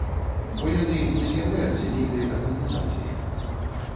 Бо яны не з'яўляюцца нейкай арганізацыяй.